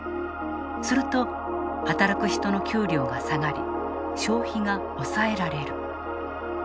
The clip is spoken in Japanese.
すると、働く人の給料が下がり消費が抑えられる。